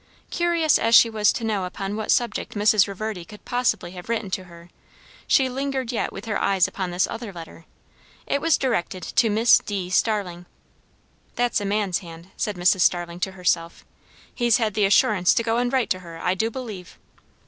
Curious as she was to know upon what subject Mrs. Reverdy could possibly have written to her, she lingered yet with her eyes upon this other letter. It was directed to "Miss D. Starling." "That's a man's hand," said Mrs. Starling to herself. "He's had the assurance to go and write to her, I do believe!"